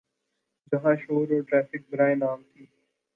جہاں شور اور ٹریفک برائے نام تھی۔